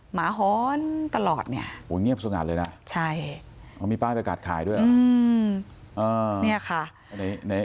หมาฮ้อนตลอดเนี่ยโหเงียบสงัดเลยน่ะใช่มีบ้านอากาศขายด้วยหรออืมเนี่ยค่ะ